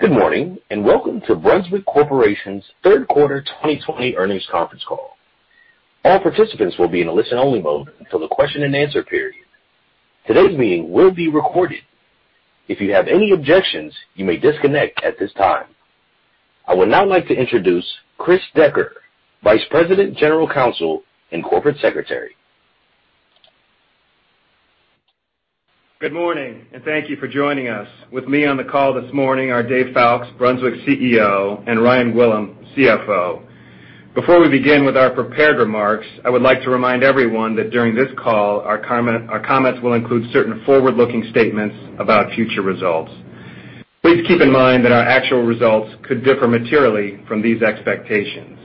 Good morning and welcome to Brunswick Corporation's third quarter 2020 earnings conference call. All participants will be in a listen-only mode until the question and answer period. Today's meeting will be recorded. If you have any objections, you may disconnect at this time. I would now like to introduce Chris Decker, Vice President, General Counsel, and Corporate Secretary. Good morning and thank you for joining us. With me on the call this morning are Dave Foulkes, Brunswick CEO, and Ryan Gwillim, CFO. Before we begin with our prepared remarks, I would like to remind everyone that during this call, our comments will include certain forward-looking statements about future results. Please keep in mind that our actual results could differ materially from these expectations.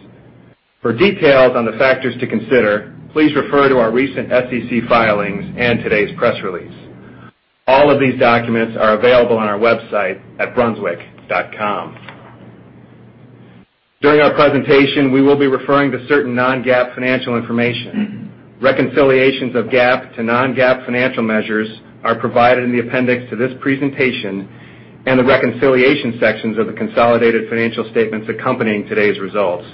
For details on the factors to consider, please refer to our recent SEC filings and today's press release. All of these documents are available on our website at brunswick.com. During our presentation, we will be referring to certain non-GAAP financial information. Reconciliations of GAAP to non-GAAP financial measures are provided in the appendix to this presentation and the reconciliation sections of the consolidated financial statements accompanying today's results.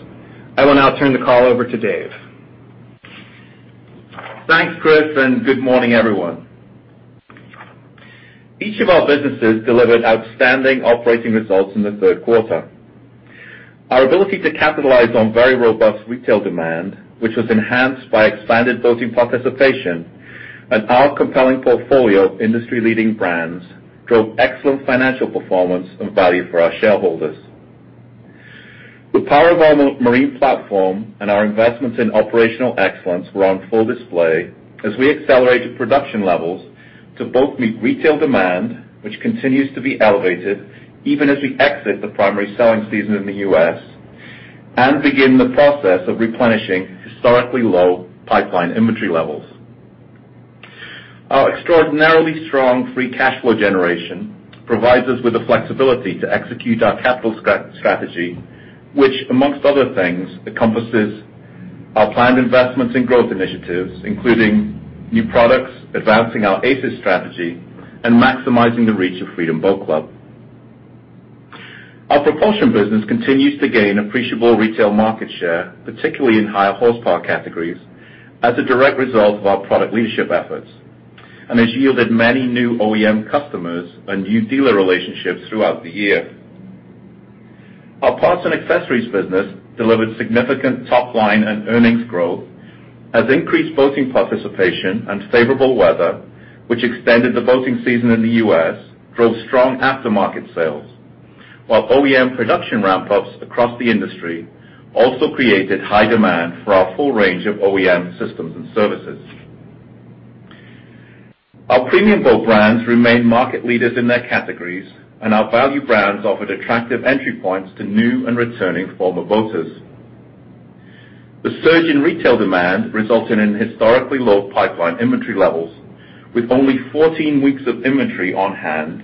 I will now turn the call over to Dave. Thanks, Chris, and good morning, everyone. Each of our businesses delivered outstanding operating results in the third quarter. Our ability to capitalize on very robust retail demand, which was enhanced by expanded boating participation, and our compelling portfolio of industry-leading brands drove excellent financial performance and value for our shareholders. The power of our marine platform and our investments in operational excellence were on full display as we accelerated production levels to both meet retail demand, which continues to be elevated even as we exit the primary selling season in the U.S., and begin the process of replenishing historically low pipeline inventory levels. Our extraordinarily strong free cash flow generation provides us with the flexibility to execute our capital strategy, which, among other things, encompasses our planned investments and growth initiatives, including new products, advancing our ACES strategy, and maximizing the reach of Freedom Boat Club. Our propulsion business continues to gain appreciable retail market share, particularly in higher horsepower categories, as a direct result of our product leadership efforts and has yielded many new OEM customers and new dealer relationships throughout the year. Our parts and accessories business delivered significant top-line and earnings growth, as increased boating participation and favorable weather, which extended the boating season in the U.S., drove strong aftermarket sales, while OEM production ramp-ups across the industry also created high demand for our full range of OEM systems and services. Our premium boat brands remain market leaders in their categories, and our value brands offered attractive entry points to new and returning former boaters. The surge in retail demand resulted in historically low pipeline inventory levels, with only 14 weeks of inventory on hand,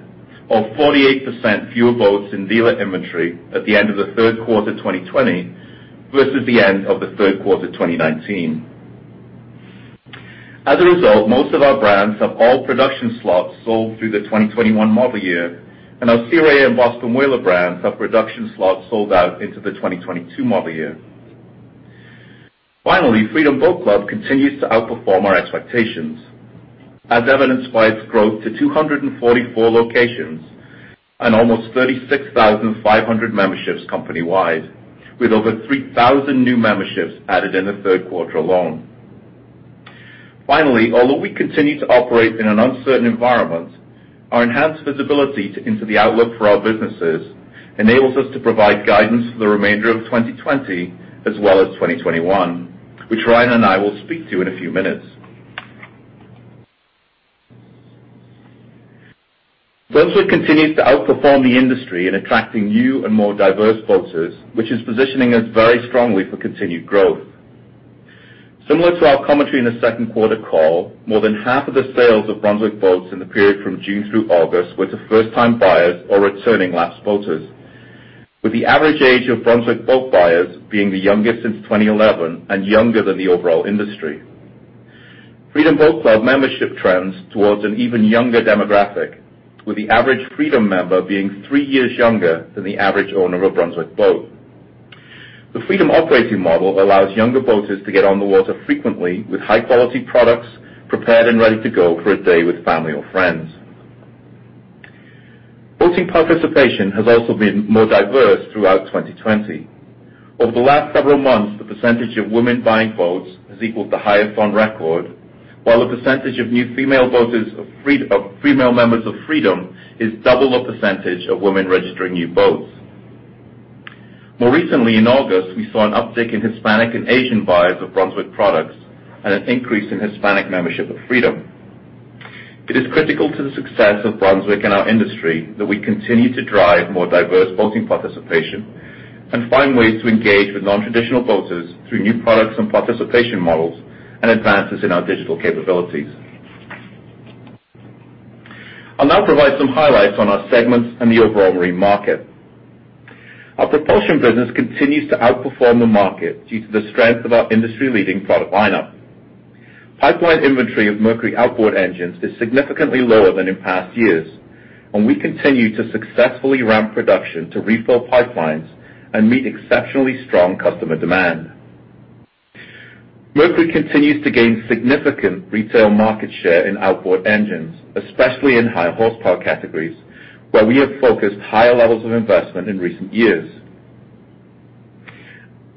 or 48% fewer boats in dealer inventory at the end of the third quarter 2020 versus the end of the third quarter 2019. As a result, most of our brands have all production slots sold through the 2021 model year, and our Sea Ray and Boston Whaler brands have production slots sold out into the 2022 model year. Finally, Freedom Boat Club continues to outperform our expectations, as evidenced by its growth to 244 locations and almost 36,500 memberships company-wide, with over 3,000 new memberships added in the third quarter alone. Finally, although we continue to operate in an uncertain environment, our enhanced visibility into the outlook for our businesses enables us to provide guidance for the remainder of 2020 as well as 2021, which Ryan and I will speak to in a few minutes. Brunswick continues to outperform the industry in attracting new and more diverse boaters, which is positioning us very strongly for continued growth. Similar to our commentary in the second quarter call, more than half of the sales of Brunswick boats in the period from June through August were to first-time buyers or returning lapsed boaters, with the average age of Brunswick boat buyers being the youngest since 2011 and younger than the overall industry. Freedom Boat Club membership trends towards an even younger demographic, with the average Freedom member being three years younger than the average owner of a Brunswick boat. The Freedom operating model allows younger boaters to get on the water frequently with high-quality products prepared and ready to go for a day with family or friends. Boating participation has also been more diverse throughout 2020. Over the last several months, the percentage of women buying boats has equaled the highest on record, while the percentage of new female members of Freedom is double the percentage of women registering new boats. More recently, in August, we saw an uptick in Hispanic and Asian buyers of Brunswick products and an increase in Hispanic membership of Freedom. It is critical to the success of Brunswick and our industry that we continue to drive more diverse boating participation and find ways to engage with non-traditional boaters through new products and participation models and advances in our digital capabilities. I'll now provide some highlights on our segments and the overall market. Our propulsion business continues to outperform the market due to the strength of our industry-leading product lineup. Pipeline inventory of Mercury outboard engines is significantly lower than in past years, and we continue to successfully ramp production to refill pipelines and meet exceptionally strong customer demand. Mercury continues to gain significant retail market share in outboard engines, especially in high horsepower categories, where we have focused higher levels of investment in recent years.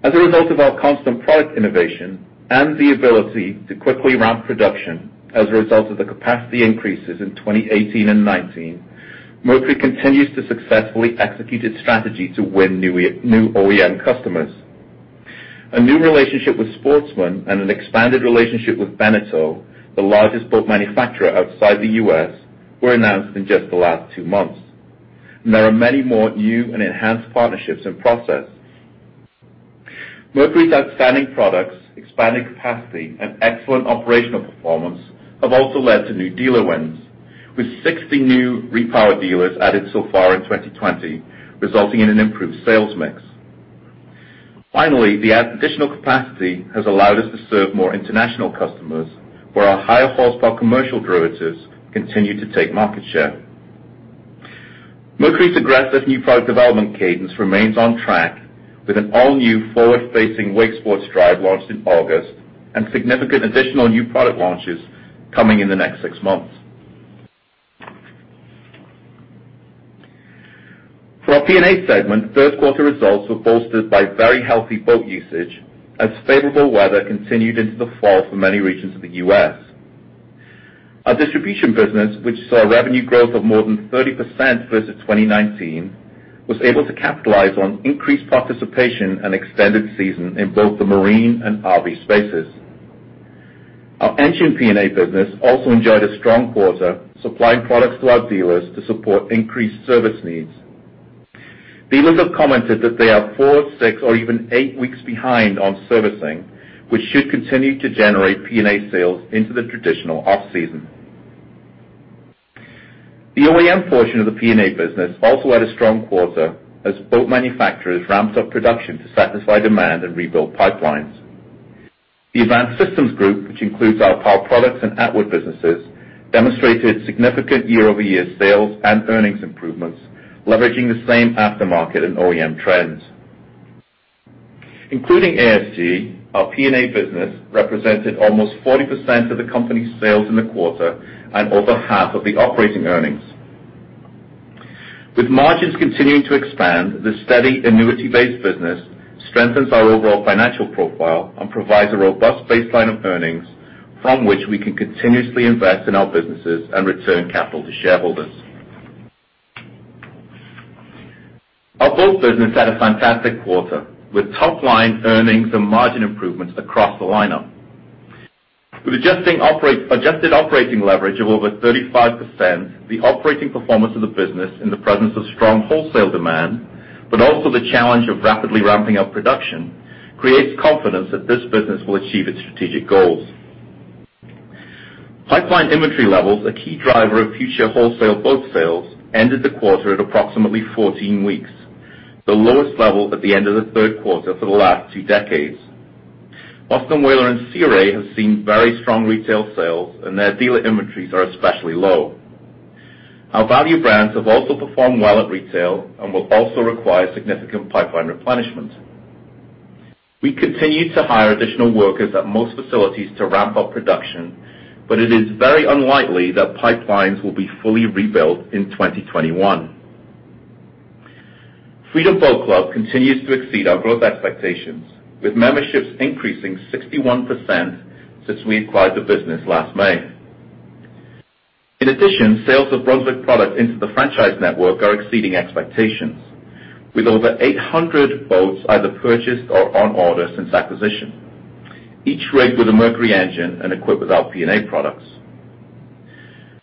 As a result of our constant product innovation and the ability to quickly ramp production as a result of the capacity increases in 2018 and 2019, Mercury continues to successfully execute its strategy to win new OEM customers. A new relationship with Sportsman and an expanded relationship with Beneteau, the largest boat manufacturer outside the U.S., were announced in just the last two months. There are many more new and enhanced partnerships in process. Mercury's outstanding products, expanded capacity, and excellent operational performance have also led to new dealer wins, with 60 new repowered dealers added so far in 2020, resulting in an improved sales mix. Finally, the additional capacity has allowed us to serve more international customers, where our higher horsepower commercial derivatives continue to take market share. Mercury's aggressive new product development cadence remains on track, with an all-new forward-facing wakesports drive launched in August and significant additional new product launches coming in the next six months. For our P&A segment, third quarter results were bolstered by very healthy boat usage as favorable weather continued into the fall for many regions of the U.S. Our distribution business, which saw a revenue growth of more than 30% versus 2019, was able to capitalize on increased participation and extended season in both the marine and RV spaces. Our engine P&A business also enjoyed a strong quarter, supplying products to our dealers to support increased service needs. Dealers have commented that they are four, six, or even eight weeks behind on servicing, which should continue to generate P&A sales into the traditional off-season. The OEM portion of the P&A business also had a strong quarter as boat manufacturers ramped up production to satisfy demand and rebuild pipelines. The Advanced Systems Group, which includes our power products and outboard businesses, demonstrated significant year-over-year sales and earnings improvements, leveraging the same aftermarket and OEM trends. Including ASG, our P&A business represented almost 40% of the company's sales in the quarter and over half of the operating earnings. With margins continuing to expand, the steady annuity-based business strengthens our overall financial profile and provides a robust baseline of earnings from which we can continuously invest in our businesses and return capital to shareholders. Our boat business had a fantastic quarter, with top-line earnings and margin improvements across the lineup. With adjusted operating leverage of over 35%, the operating performance of the business in the presence of strong wholesale demand, but also the challenge of rapidly ramping up production, creates confidence that this business will achieve its strategic goals. Pipeline inventory levels, a key driver of future wholesale boat sales, ended the quarter at approximately 14 weeks, the lowest level at the end of the third quarter for the last two decades. Boston Whaler and Sea Ray have seen very strong retail sales, and their dealer inventories are especially low. Our value brands have also performed well at retail and will also require significant pipeline replenishment. We continue to hire additional workers at most facilities to ramp up production, but it is very unlikely that pipelines will be fully rebuilt in 2021. Freedom Boat Club continues to exceed our growth expectations, with memberships increasing 61% since we acquired the business last May. In addition, sales of Brunswick products into the franchise network are exceeding expectations, with over 800 boats either purchased or on order since acquisition, each rigged with a Mercury engine and equipped with our P&A products.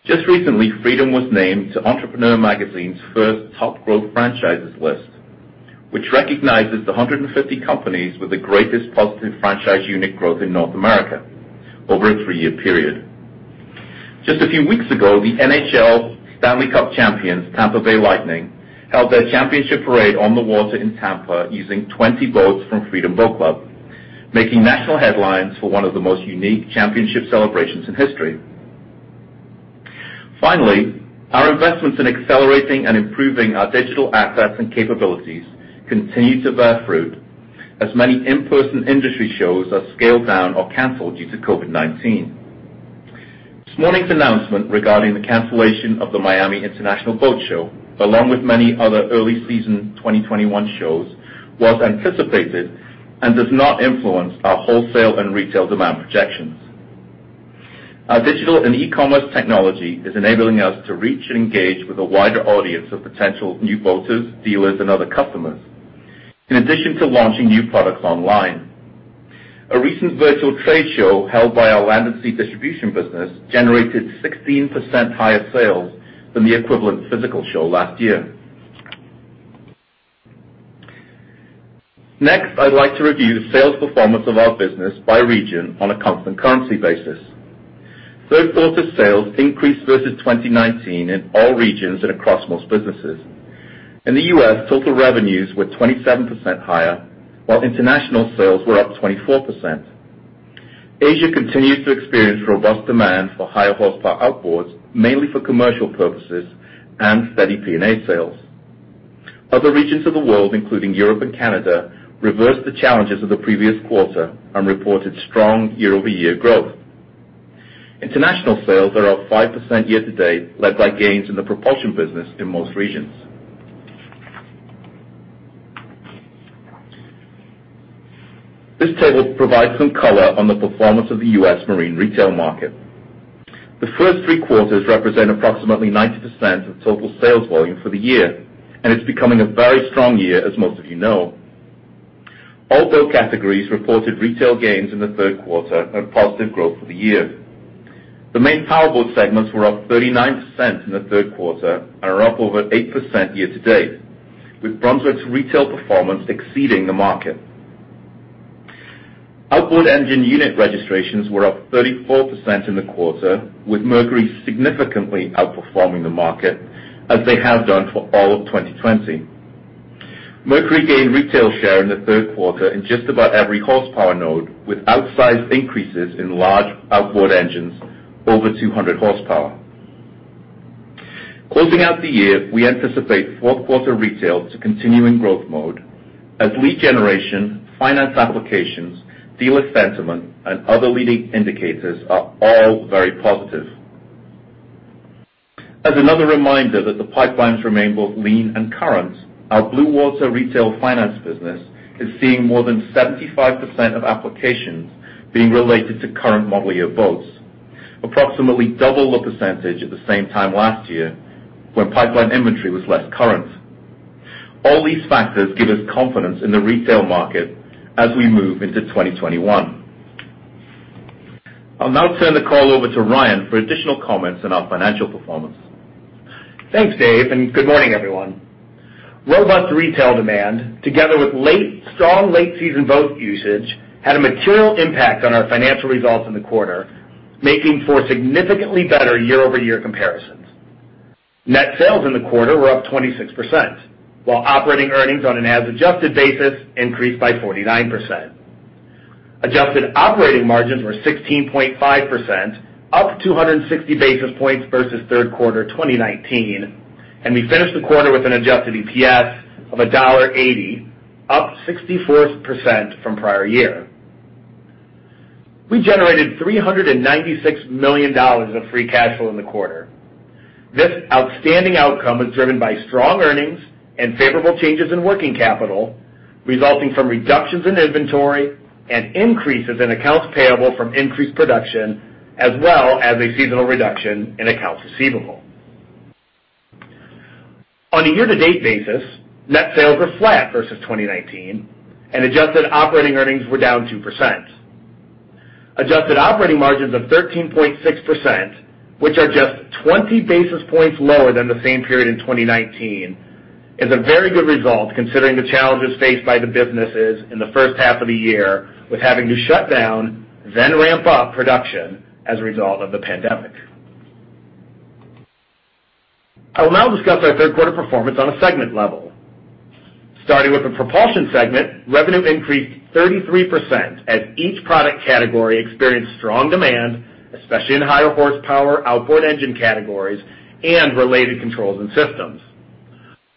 Just recently, Freedom was named to Entrepreneur Magazine's first top growth franchises list, which recognizes the 150 companies with the greatest positive franchise unit growth in North America over a three-year period. Just a few weeks ago, the NHL Stanley Cup champions, Tampa Bay Lightning, held their championship parade on the water in Tampa using 20 boats from Freedom Boat Club, making national headlines for one of the most unique championship celebrations in history. Finally, our investments in accelerating and improving our digital assets and capabilities continue to bear fruit as many in-person industry shows are scaled down or canceled due to COVID-19. This morning's announcement regarding the cancellation of the Miami International Boat Show, along with many other early season 2021 shows, was anticipated and does not influence our wholesale and retail demand projections. Our digital and e-commerce technology is enabling us to reach and engage with a wider audience of potential new boaters, dealers, and other customers, in addition to launching new products online. A recent virtual trade show held by our Land 'N' Sea Distributing business generated 16% higher sales than the equivalent physical show last year. Next, I'd like to review the sales performance of our business by region on a constant currency basis. Third quarter sales increased versus 2019 in all regions and across most businesses. In the U.S., total revenues were 27% higher, while international sales were up 24%. Asia continues to experience robust demand for higher horsepower outboards, mainly for commercial purposes and steady P&A sales. Other regions of the world, including Europe and Canada, reversed the challenges of the previous quarter and reported strong year-over-year growth. International sales are up 5% year-to-date, led by gains in the propulsion business in most regions. This table provides some color on the performance of the U.S. marine retail market. The first three quarters represent approximately 90% of total sales volume for the year, and it's becoming a very strong year, as most of you know. All boat categories reported retail gains in the third quarter and positive growth for the year. The main power boat segments were up 39% in the third quarter and are up over 8% year-to-date, with Brunswick's retail performance exceeding the market. Outboard engine unit registrations were up 34% in the quarter, with Mercury significantly outperforming the market as they have done for all of 2020. Mercury gained retail share in the third quarter in just about every horsepower node, with outsized increases in large outboard engines over 200 horsepower. Closing out the year, we anticipate fourth quarter retail to continue in growth mode as lead generation, finance applications, dealer sentiment, and other leading indicators are all very positive. As another reminder that the pipelines remain both lean and current, our Blue Water Retail Finance business is seeing more than 75% of applications being related to current model year boats, approximately double the percentage at the same time last year when pipeline inventory was less current. All these factors give us confidence in the retail market as we move into 2021. I'll now turn the call over to Ryan for additional comments on our financial performance. Thanks, Dave, and good morning, everyone. Robust retail demand, together with strong late-season boat usage, had a material impact on our financial results in the quarter, making for significantly better year-over-year comparisons. Net sales in the quarter were up 26%, while operating earnings on an as-adjusted basis increased by 49%. Adjusted operating margins were 16.5%, up 260 basis points versus third quarter 2019, and we finished the quarter with an adjusted EPS of $1.80, up 64% from prior year. We generated $396 million of free cash flow in the quarter. This outstanding outcome was driven by strong earnings and favorable changes in working capital, resulting from reductions in inventory and increases in accounts payable from increased production, as well as a seasonal reduction in accounts receivable. On a year-to-date basis, net sales were flat versus 2019, and adjusted operating earnings were down 2%. Adjusted operating margins of 13.6%, which are just 20 basis points lower than the same period in 2019, is a very good result considering the challenges faced by the businesses in the first half of the year with having to shut down, then ramp up production as a result of the pandemic. I will now discuss our third quarter performance on a segment level. Starting with the propulsion segment, revenue increased 33% as each product category experienced strong demand, especially in higher horsepower outboard engine categories and related controls and systems.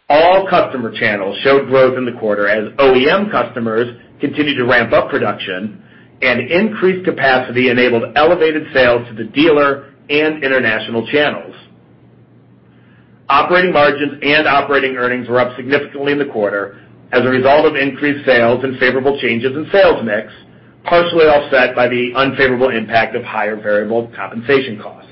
All customer channels showed growth in the quarter as OEM customers continued to ramp up production, and increased capacity enabled elevated sales to the dealer and international channels. Operating margins and operating earnings were up significantly in the quarter as a result of increased sales and favorable changes in sales mix, partially offset by the unfavorable impact of higher variable compensation costs.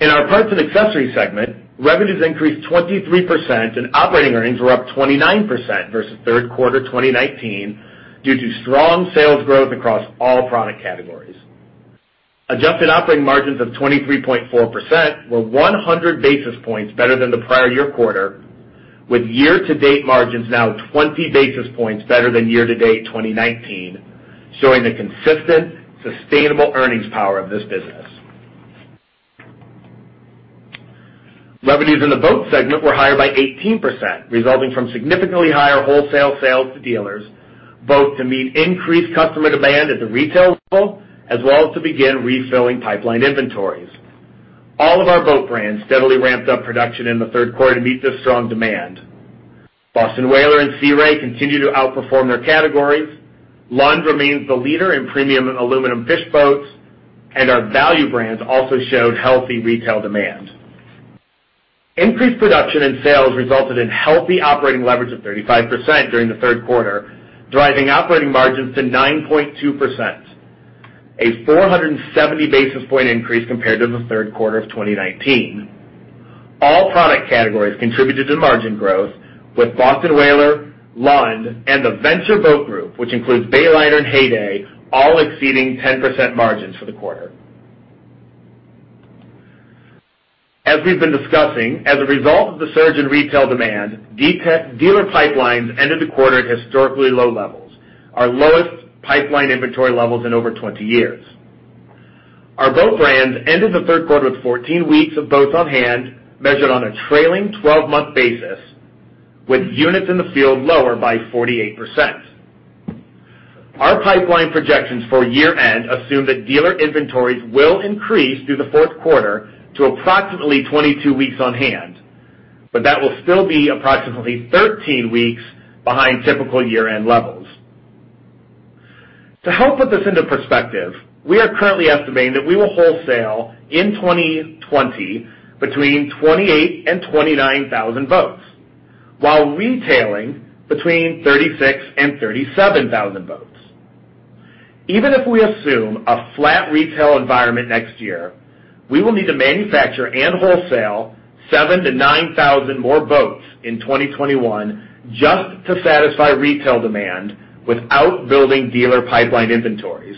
In our parts and accessories segment, revenues increased 23%, and operating earnings were up 29% versus third quarter 2019 due to strong sales growth across all product categories. Adjusted operating margins of 23.4% were 100 basis points better than the prior year quarter, with year-to-date margins now 20 basis points better than year-to-date 2019, showing the consistent, sustainable earnings power of this business. Revenues in the boat segment were higher by 18%, resulting from significantly higher wholesale sales to dealers, both to meet increased customer demand at the retail level as well as to begin refilling pipeline inventories. All of our boat brands steadily ramped up production in the third quarter to meet this strong demand. Boston Whaler and Sea Ray continued to outperform their categories. Lund remains the leader in premium aluminum fish boats, and our value brands also showed healthy retail demand. Increased production and sales resulted in healthy operating leverage of 35% during the third quarter, driving operating margins to 9.2%, a 470 basis point increase compared to the third quarter of 2019. All product categories contributed to margin growth, with Boston Whaler, Lund, and the Venture Boat Group, which includes Bayliner and Heyday, all exceeding 10% margins for the quarter. As we've been discussing, as a result of the surge in retail demand, dealer pipelines ended the quarter at historically low levels, our lowest pipeline inventory levels in over 20 years. Our boat brands ended the third quarter with 14 weeks of boats on hand, measured on a trailing 12-month basis, with units in the field lower by 48%. Our pipeline projections for year-end assume that dealer inventories will increase through the fourth quarter to approximately 22 weeks on hand, but that will still be approximately 13 weeks behind typical year-end levels. To help put this into perspective, we are currently estimating that we will wholesale in 2020 between 28,000 and 29,000 boats, while retailing between 36,000 and 37,000 boats. Even if we assume a flat retail environment next year, we will need to manufacture and wholesale 7,000-9,000 more boats in 2021 just to satisfy retail demand without building dealer pipeline inventories.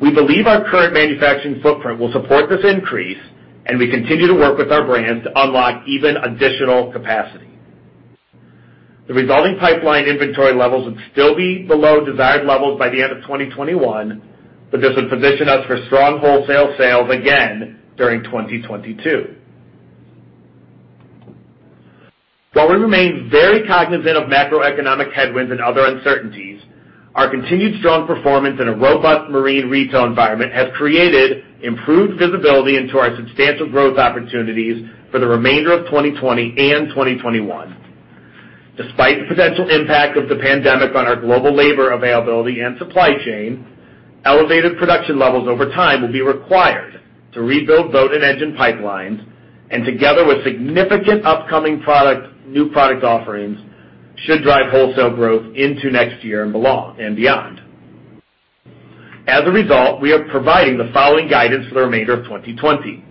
We believe our current manufacturing footprint will support this increase, and we continue to work with our brands to unlock even additional capacity. The resulting pipeline inventory levels would still be below desired levels by the end of 2021, but this would position us for strong wholesale sales again during 2022. While we remain very cognizant of macroeconomic headwinds and other uncertainties, our continued strong performance in a robust marine retail environment has created improved visibility into our substantial growth opportunities for the remainder of 2020 and 2021. Despite the potential impact of the pandemic on our global labor availability and supply chain, elevated production levels over time will be required to rebuild boat and engine pipelines, and together with significant upcoming new product offerings should drive wholesale growth into next year and beyond. As a result, we are providing the following guidance for the remainder of 2020.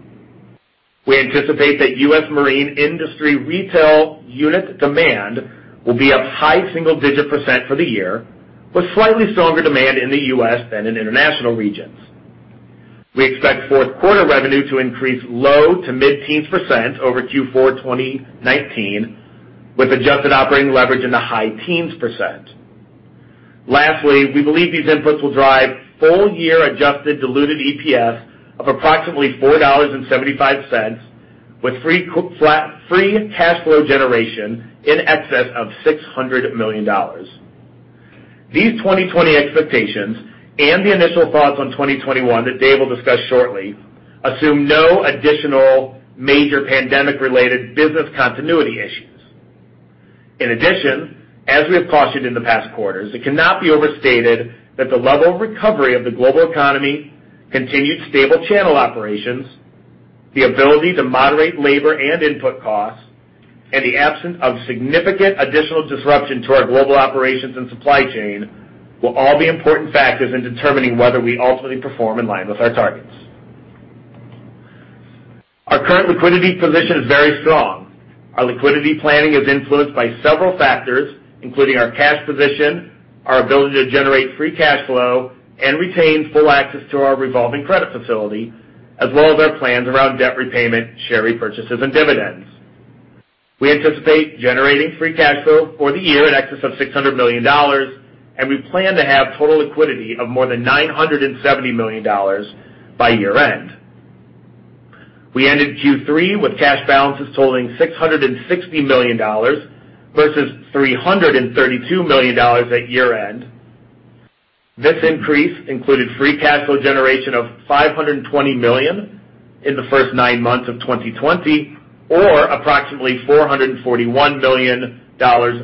We anticipate that U.S. marine industry retail unit demand will be up high single-digit % for the year, with slightly stronger demand in the U.S. than in international regions. We expect fourth quarter revenue to increase low to mid-teens % over Q4 2019, with adjusted operating leverage in the high teens %. Lastly, we believe these inputs will drive full-year adjusted diluted EPS of approximately $4.75, with free cash flow generation in excess of $600 million. These 2020 expectations and the initial thoughts on 2021 that Dave will discuss shortly assume no additional major pandemic-related business continuity issues. In addition, as we have cautioned in the past quarters, it cannot be overstated that the level of recovery of the global economy, continued stable channel operations, the ability to moderate labor and input costs, and the absence of significant additional disruption to our global operations and supply chain will all be important factors in determining whether we ultimately perform in line with our targets. Our current liquidity position is very strong. Our liquidity planning is influenced by several factors, including our cash position, our ability to generate free cash flow, and retain full access to our revolving credit facility, as well as our plans around debt repayment, share repurchases, and dividends. We anticipate generating free cash flow for the year in excess of $600 million, and we plan to have total liquidity of more than $970 million by year-end. We ended Q3 with cash balances totaling $660 million versus $332 million at year-end. This increase included free cash flow generation of $520 million in the first nine months of 2020, or approximately $441 million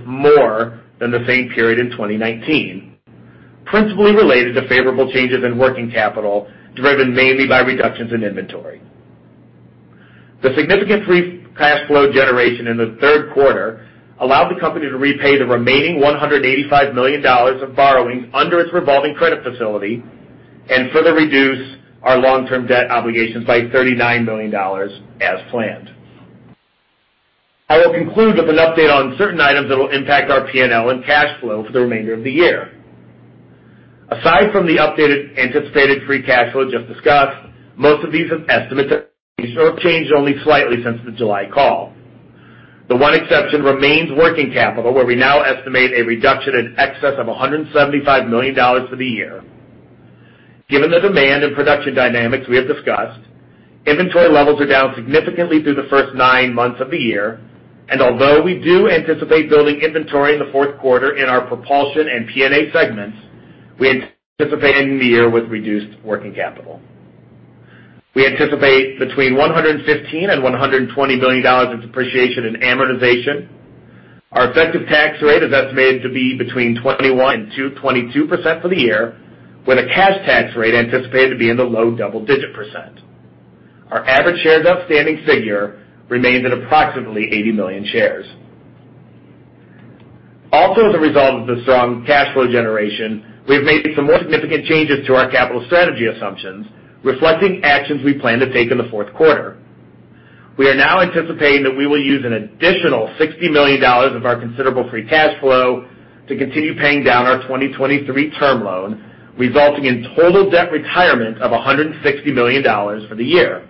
more than the same period in 2019, principally related to favorable changes in working capital driven mainly by reductions in inventory. The significant free cash flow generation in the third quarter allowed the company to repay the remaining $185 million of borrowings under its revolving credit facility and further reduce our long-term debt obligations by $39 million as planned. I will conclude with an update on certain items that will impact our P&L and cash flow for the remainder of the year. Aside from the updated anticipated free cash flow just discussed, most of these estimates have changed only slightly since the July call. The one exception remains working capital, where we now estimate a reduction in excess of $175 million for the year. Given the demand and production dynamics we have discussed, inventory levels are down significantly through the first nine months of the year, and although we do anticipate building inventory in the fourth quarter in our propulsion and P&A segments, we anticipate ending the year with reduced working capital. We anticipate $115-$120 million in depreciation and amortization. Our effective tax rate is estimated to be 21%-22% for the year, with a cash tax rate anticipated to be in the low double-digit %. Our average shares outstanding figure remains at approximately 80 million shares. Also, as a result of the strong cash flow generation, we have made some more significant changes to our capital strategy assumptions, reflecting actions we plan to take in the fourth quarter. We are now anticipating that we will use an additional $60 million of our considerable free cash flow to continue paying down our 2023 term loan, resulting in total debt retirement of $160 million for the year.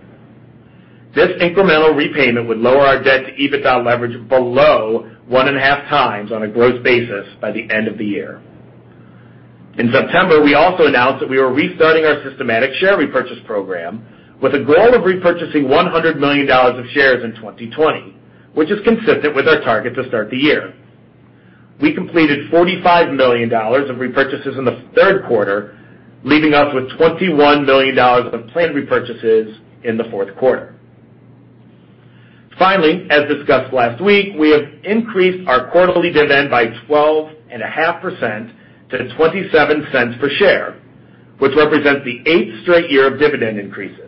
This incremental repayment would lower our debt to EBITDA leverage below one and a half times on a gross basis by the end of the year. In September, we also announced that we were restarting our systematic share repurchase program with a goal of repurchasing $100 million of shares in 2020, which is consistent with our target to start the year. We completed $45 million of repurchases in the third quarter, leaving us with $21 million of planned repurchases in the fourth quarter. Finally, as discussed last week, we have increased our quarterly dividend by 12.5% to $0.27 per share, which represents the eighth straight year of dividend increases.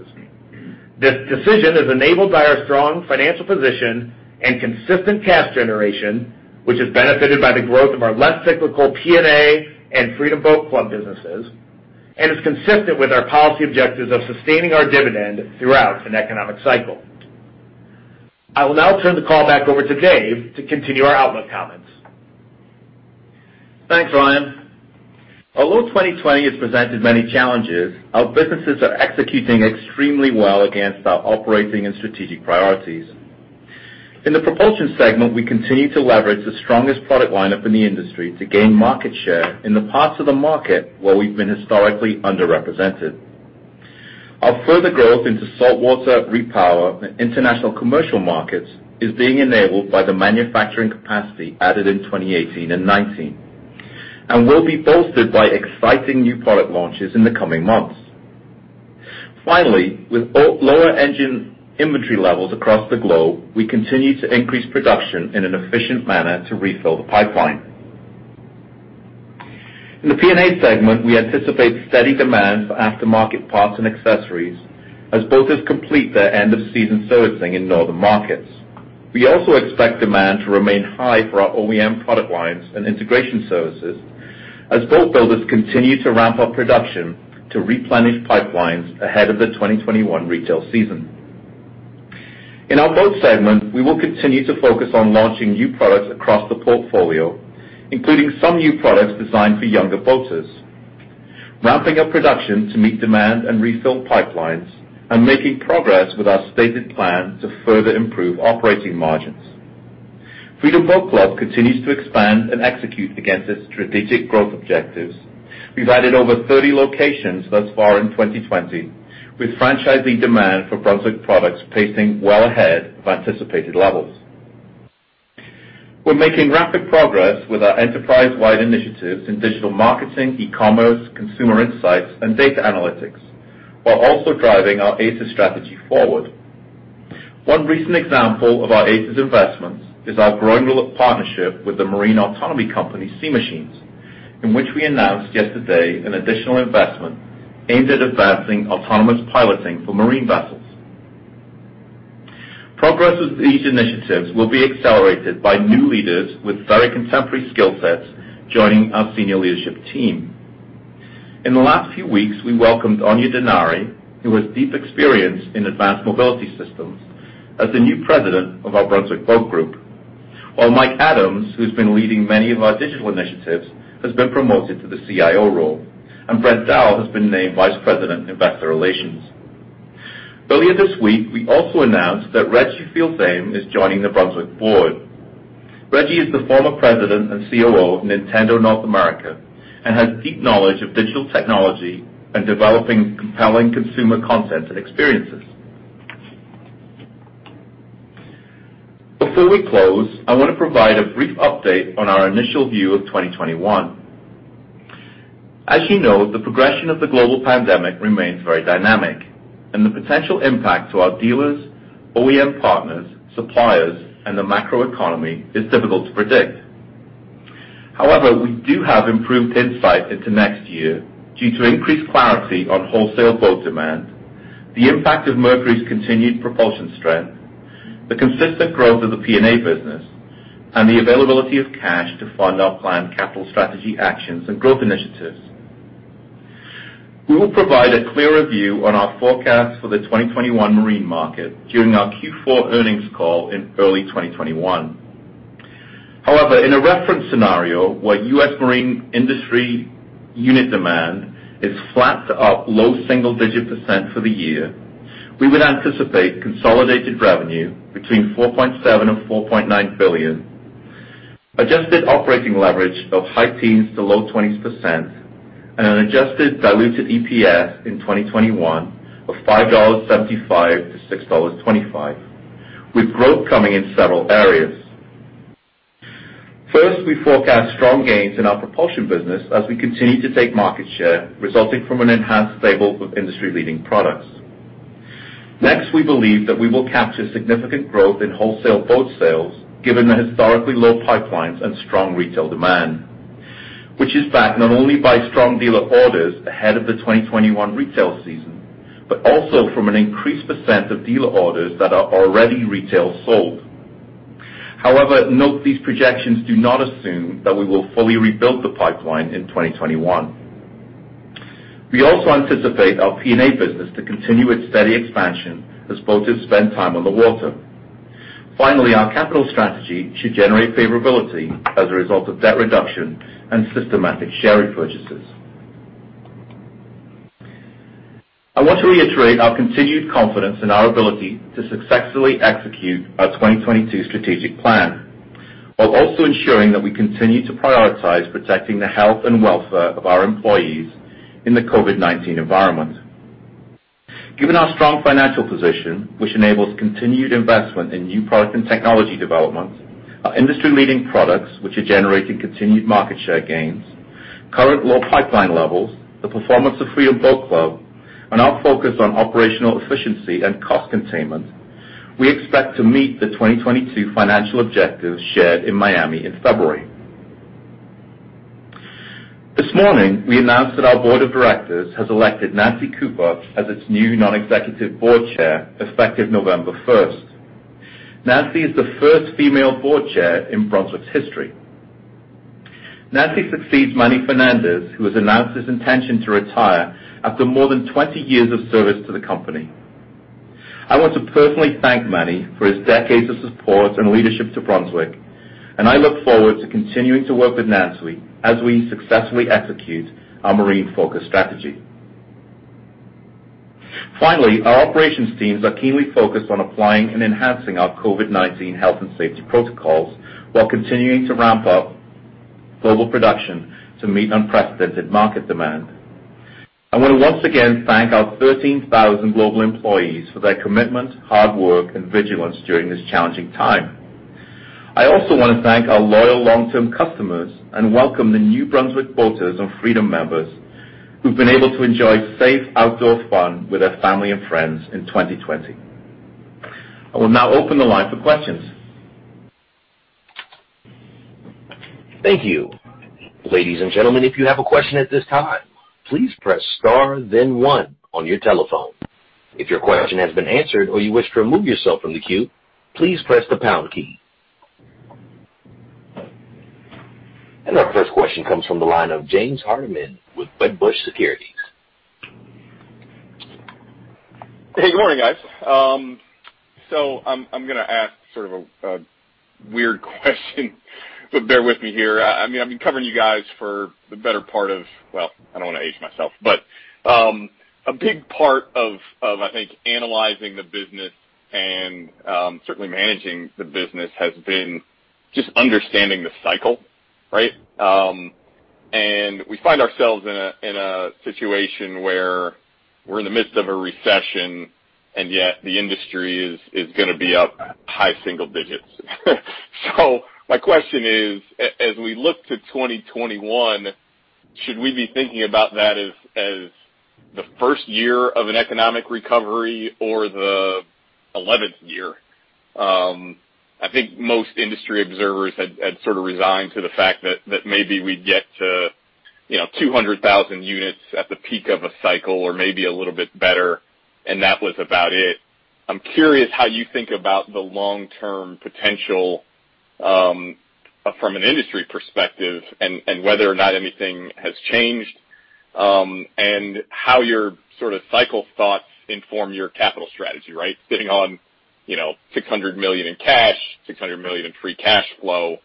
This decision is enabled by our strong financial position and consistent cash generation, which is benefited by the growth of our less cyclical P&A and Freedom Boat Club businesses, and is consistent with our policy objectives of sustaining our dividend throughout an economic cycle. I will now turn the call back over to Dave to continue our outlook comments. Thanks, Ryan. Although 2020 has presented many challenges, our businesses are executing extremely well against our operating and strategic priorities. In the propulsion segment, we continue to leverage the strongest product lineup in the industry to gain market share in the parts of the market where we've been historically underrepresented. Our further growth into saltwater, repower, and international commercial markets is being enabled by the manufacturing capacity added in 2018 and 2019, and will be bolstered by exciting new product launches in the coming months. Finally, with lower engine inventory levels across the globe, we continue to increase production in an efficient manner to refill the pipeline. In the P&A segment, we anticipate steady demand for aftermarket parts and accessories as boaters complete their end-of-season servicing in northern markets. We also expect demand to remain high for our OEM product lines and integration services as boat builders continue to ramp up production to replenish pipelines ahead of the 2021 retail season. In our boat segment, we will continue to focus on launching new products across the portfolio, including some new products designed for younger boaters, ramping up production to meet demand and refill pipelines, and making progress with our stated plan to further improve operating margins. Freedom Boat Club continues to expand and execute against its strategic growth objectives. We've added over 30 locations thus far in 2020, with franchisee demand for Brunswick products pacing well ahead of anticipated levels. We're making rapid progress with our enterprise-wide initiatives in digital marketing, e-commerce, consumer insights, and data analytics, while also driving our ACES strategy forward. One recent example of our ACES investments is our growing partnership with the marine autonomy company Sea Machines, in which we announced yesterday an additional investment aimed at advancing autonomous piloting for marine vessels. Progress with these initiatives will be accelerated by new leaders with very contemporary skill sets joining our senior leadership team. In the last few weeks, we welcomed Aine Denari, who has deep experience in advanced mobility systems, as the new President of our Brunswick Boat Group, while Mike Adams, who's been leading many of our digital initiatives, has been promoted to the CIO role, and Brent Dahl has been named Vice President in investor relations. Earlier this week, we also announced that Reggie Fils-Aimé is joining the Brunswick Board. Reggie is the former president and COO of Nintendo of America and has deep knowledge of digital technology and developing compelling consumer content and experiences. Before we close, I want to provide a brief update on our initial view of 2021. As you know, the progression of the global pandemic remains very dynamic, and the potential impact to our dealers, OEM partners, suppliers, and the macroeconomy is difficult to predict. However, we do have improved insight into next year due to increased clarity on wholesale boat demand, the impact of Mercury's continued propulsion strength, the consistent growth of the P&A business, and the availability of cash to fund our planned capital strategy actions and growth initiatives. We will provide a clearer view on our forecast for the 2021 marine market during our Q4 earnings call in early 2021. However, in a reference scenario where U.S. marine industry unit demand is flat up low single-digit % for the year, we would anticipate consolidated revenue between $4.7 and $4.9 billion, adjusted operating leverage of high teens to low 20s %, and an adjusted diluted EPS in 2021 of $5.75-$6.25, with growth coming in several areas. First, we forecast strong gains in our propulsion business as we continue to take market share, resulting from an enhanced stable of industry-leading products. Next, we believe that we will capture significant growth in wholesale boat sales given the historically low pipelines and strong retail demand, which is backed not only by strong dealer orders ahead of the 2021 retail season but also from an increased % of dealer orders that are already retail sold. However, note these projections do not assume that we will fully rebuild the pipeline in 2021. We also anticipate our P&A business to continue its steady expansion as boaters spend time on the water. Finally, our capital strategy should generate favorability as a result of debt reduction and systematic share repurchases. I want to reiterate our continued confidence in our ability to successfully execute our 2022 strategic plan, while also ensuring that we continue to prioritize protecting the health and welfare of our employees in the COVID-19 environment. Given our strong financial position, which enables continued investment in new product and technology development, our industry-leading products, which are generating continued market share gains, current low pipeline levels, the performance of Freedom Boat Club, and our focus on operational efficiency and cost containment, we expect to meet the 2022 financial objectives shared in Miami in February. This morning, we announced that our board of directors has elected Nancy Cooper as its new non-executive board chair effective November 1st. Nancy is the first female board chair in Brunswick's history. Nancy succeeds Manny Fernandez, who has announced his intention to retire after more than 20 years of service to the company. I want to personally thank Manny for his decades of support and leadership to Brunswick, and I look forward to continuing to work with Nancy as we successfully execute our marine-focused strategy. Finally, our operations teams are keenly focused on applying and enhancing our COVID-19 health and safety protocols while continuing to ramp up global production to meet unprecedented market demand. I want to once again thank our 13,000 global employees for their commitment, hard work, and vigilance during this challenging time. I also want to thank our loyal long-term customers and welcome the new Brunswick boaters and Freedom members who've been able to enjoy safe outdoor fun with their family and friends in 2020. I will now open the line for questions. Thank you. Ladies and gentlemen, if you have a question at this time, please press star, then one on your telephone. If your question has been answered or you wish to remove yourself from the queue, please press the pound key. And our first question comes from the line of James Hardiman with Wedbush Securities. Hey, good morning, guys. So I'm going to ask sort of a weird question, but bear with me here. I mean, I've been covering you guys for the better part of, well, I don't want to age myself, but a big part of, I think, analyzing the business and certainly managing the business has been just understanding the cycle, right? And we find ourselves in a situation where we're in the midst of a recession, and yet the industry is going to be up high single digits. So my question is, as we look to 2021, should we be thinking about that as the first year of an economic recovery or the 11th year? I think most industry observers had sort of resigned to the fact that maybe we'd get to 200,000 units at the peak of a cycle or maybe a little bit better, and that was about it. I'm curious how you think about the long-term potential from an industry perspective and whether or not anything has changed and how your sort of cycle thoughts inform your capital strategy, right? Sitting on $600 million in cash, $600 million in free cash flow,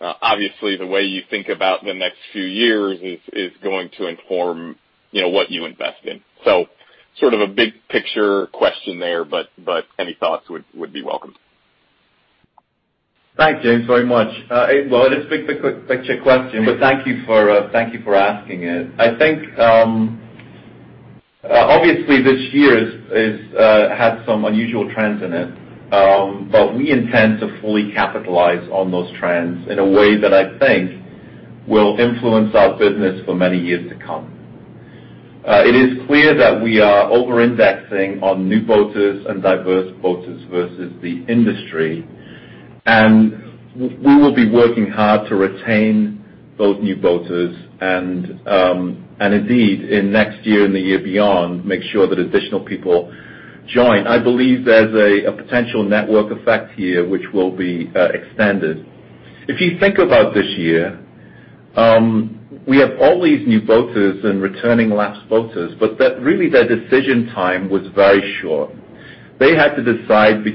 obviously the way you think about the next few years is going to inform what you invest in. So sort of a big picture question there, but any thoughts would be welcome. Thank you very much. Well, it is a big picture question, but thank you for asking it. I think obviously this year has some unusual trends in it, but we intend to fully capitalize on those trends in a way that I think will influence our business for many years to come. It is clear that we are over-indexing on new boaters and diverse boaters versus the industry, and we will be working hard to retain those new boaters and indeed in next year and the year beyond, make sure that additional people join. I believe there's a potential network effect here which will be extended. If you think about this year, we have all these new boaters and returning lapsed boaters, but really their decision time was very short. They had to decide by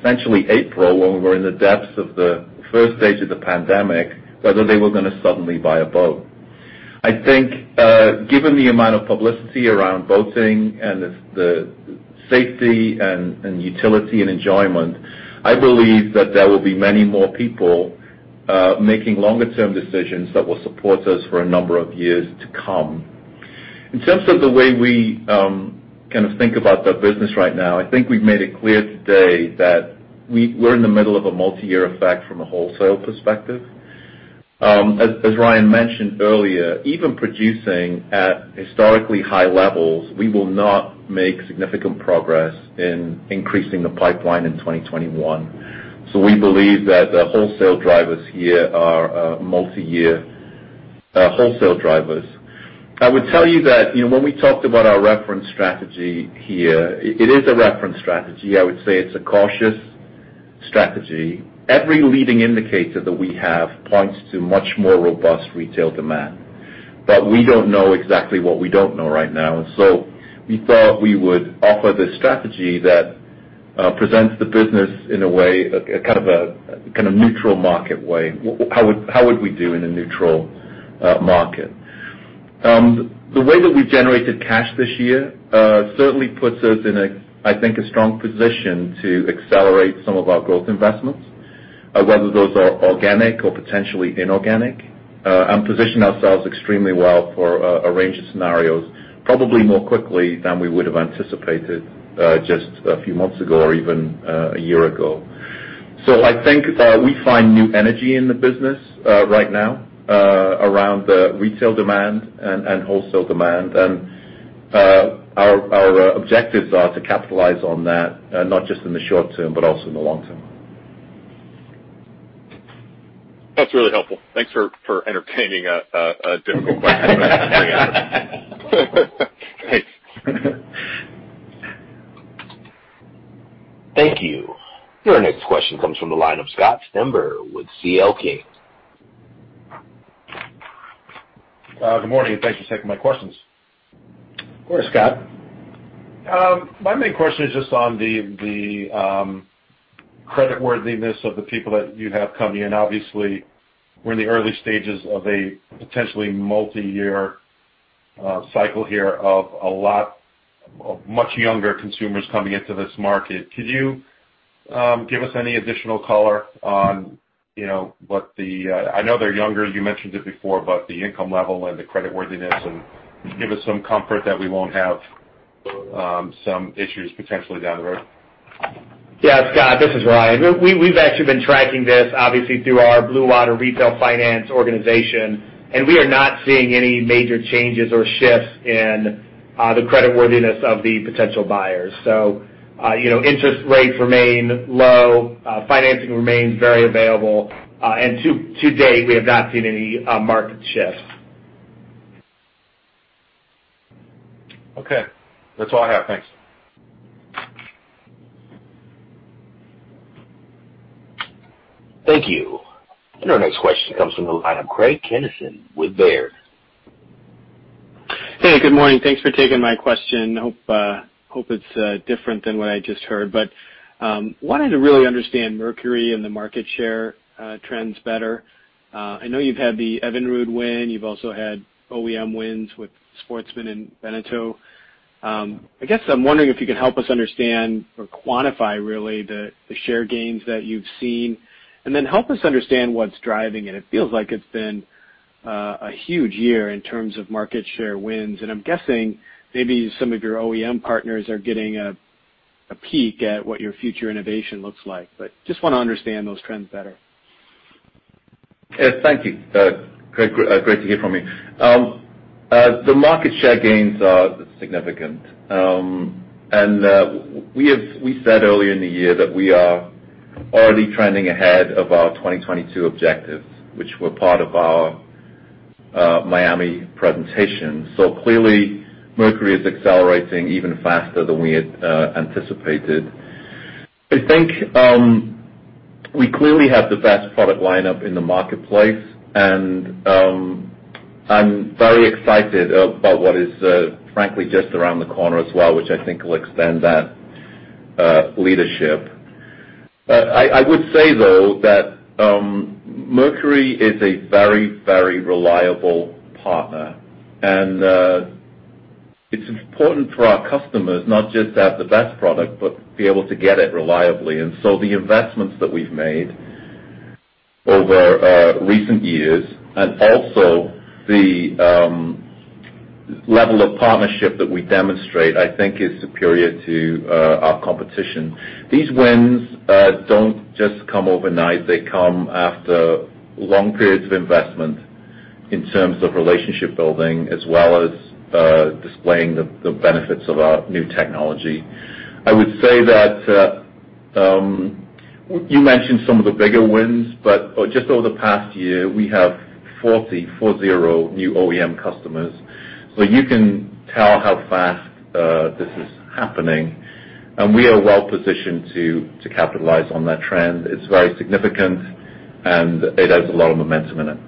essentially April, when we were in the depths of the first stage of the pandemic, whether they were going to suddenly buy a boat. I think given the amount of publicity around boating and the safety and utility and enjoyment, I believe that there will be many more people making longer-term decisions that will support us for a number of years to come. In terms of the way we kind of think about the business right now, I think we've made it clear today that we're in the middle of a multi-year effect from a wholesale perspective. As Ryan mentioned earlier, even producing at historically high levels, we will not make significant progress in increasing the pipeline in 2021. So we believe that the wholesale drivers here are multi-year wholesale drivers. I would tell you that when we talked about our reference strategy here, it is a reference strategy. I would say it's a cautious strategy. Every leading indicator that we have points to much more robust retail demand, but we don't know exactly what we don't know right now, and so we thought we would offer the strategy that presents the business in a way, kind of a neutral market way. How would we do in a neutral market? The way that we've generated cash this year certainly puts us in a, I think, a strong position to accelerate some of our growth investments, whether those are organic or potentially inorganic, and position ourselves extremely well for a range of scenarios, probably more quickly than we would have anticipated just a few months ago or even a year ago. So I think we find new energy in the business right now around the retail demand and wholesale demand, and our objectives are to capitalize on that not just in the short term but also in the long term. That's really helpful. Thanks for entertaining a difficult question. Thanks. Thank you. Your next question comes from the line of Scott Stember with C.L. King & Associates. Good morning and thanks for taking my questions. Of course, Scott. My main question is just on the creditworthiness of the people that you have coming in. Obviously, we're in the early stages of a potentially multi-year cycle here of a lot of much younger consumers coming into this market. Could you give us any additional color on what the—I know they're younger, you mentioned it before, but the income level and the creditworthiness, and give us some comfort that we won't have some issues potentially down the road? Yeah, Scott, this is Ryan. We've actually been tracking this, obviously, through our Blue Water Retail Finance Organization, and we are not seeing any major changes or shifts in the creditworthiness of the potential buyers. So interest rates remain low, financing remains very available, and to date, we have not seen any market shifts. Okay. That's all I have. Thanks. Thank you, and our next question comes from the line of Craig Kennison with Baird. Hey, good morning. Thanks for taking my question. I hope it's different than what I just heard, but wanted to really understand Mercury and the market share trends better. I know you've had the Evinrude win. You've also had OEM wins with Sportsman and Beneteau. I guess I'm wondering if you can help us understand or quantify, really, the share gains that you've seen, and then help us understand what's driving it. It feels like it's been a huge year in terms of market share wins, and I'm guessing maybe some of your OEM partners are getting a peek at what your future innovation looks like, but just want to understand those trends better. Thank you. Great to hear from you. The market share gains are significant, and we said earlier in the year that we are already trending ahead of our 2022 objectives, which were part of our Miami presentation. So clearly, Mercury is accelerating even faster than we had anticipated. I think we clearly have the best product lineup in the marketplace, and I'm very excited about what is, frankly, just around the corner as well, which I think will extend that leadership. I would say, though, that Mercury is a very, very reliable partner, and it's important for our customers not just to have the best product but be able to get it reliably. And so the investments that we've made over recent years and also the level of partnership that we demonstrate, I think, is superior to our competition. These wins don't just come overnight. They come after long periods of investment in terms of relationship building as well as displaying the benefits of our new technology. I would say that you mentioned some of the bigger wins, but just over the past year, we have 40 new OEM customers. So you can tell how fast this is happening, and we are well positioned to capitalize on that trend. It's very significant, and it has a lot of momentum in it.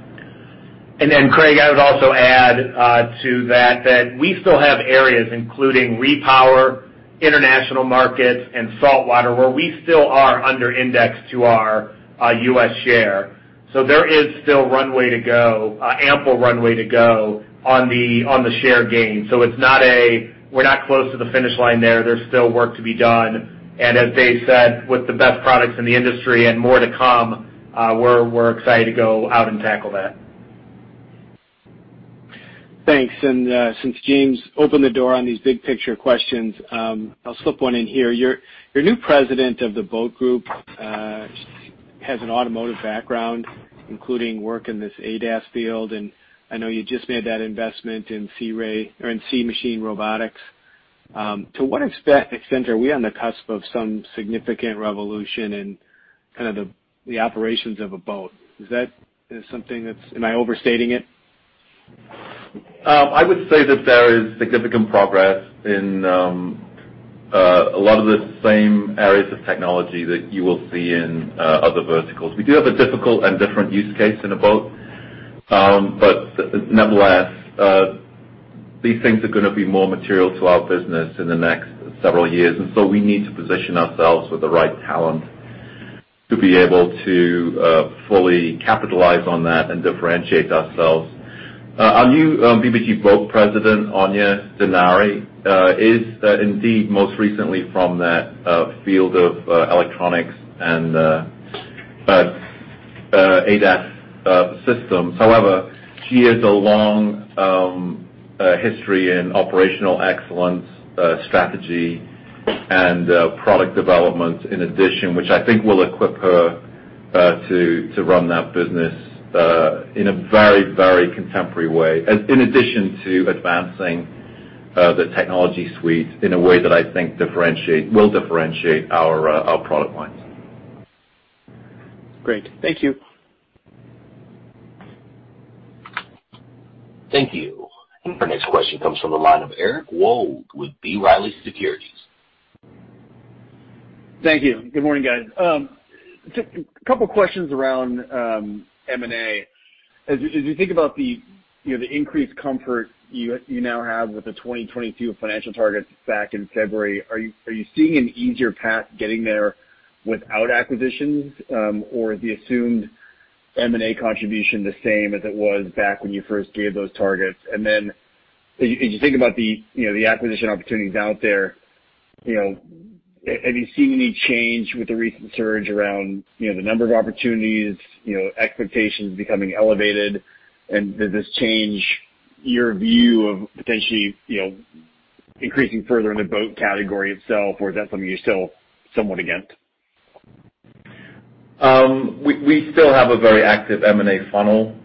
And then, Craig, I would also add to that that we still have areas including RePower, international markets, and Saltwater, where we still are under-indexed to our U.S. share. So there is still ample runway to go on the share gain. So it's not a. We're not close to the finish line there. There's still work to be done. And as Dave said, with the best products in the industry and more to come, we're excited to go out and tackle that. Thanks. And since James opened the door on these big picture questions, I'll slip one in here. Your new president of the Boat Group has an automotive background, including work in this ADAS field, and I know you just made that investment in Sea Ray or in Sea Machines Robotics. To what extent are we on the cusp of some significant revolution in kind of the operations of a boat? Is that something that's? Am I overstating it? I would say that there is significant progress in a lot of the same areas of technology that you will see in other verticals. We do have a difficult and different use case in a boat, but nonetheless, these things are going to be more material to our business in the next several years. We need to position ourselves with the right talent to be able to fully capitalize on that and differentiate ourselves. Our new BBG Boat President, Aine Denari, is indeed most recently from that field of electronics and ADAS systems. However, she has a long history in operational excellence, strategy, and product development in addition, which I think will equip her to run that business in a very, very contemporary way, in addition to advancing the technology suite in a way that I think will differentiate our product lines. Great. Thank you. Thank you. Our next question comes from the line of Eric Wold with B. Riley Securities. Thank you. Good morning, guys. A couple of questions around M&A. As you think about the increased comfort you now have with the 2022 financial targets back in February, are you seeing an easier path getting there without acquisitions, or is the assumed M&A contribution the same as it was back when you first gave those targets? And then as you think about the acquisition opportunities out there, have you seen any change with the recent surge around the number of opportunities, expectations becoming elevated? And does this change your view of potentially increasing further in the boat category itself, or is that something you're still somewhat against? We still have a very active M&A funnel,